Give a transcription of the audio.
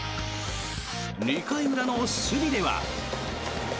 ２回裏の守備では。